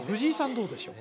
どうでしょう？